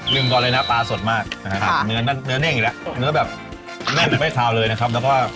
นึงกับอะไรนะครับสนมากครับหนึ่งเอาให้แน่เบียบคอเลยนะครับว่าเจอ